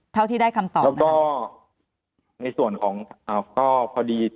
เท่าที่ได้คำตอบแล้วก็ในส่วนของก็พอดี